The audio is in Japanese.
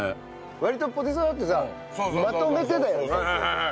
割とポテサラってさまとめてだよね。